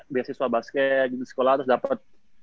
biasiswa basket sekolah terus dapet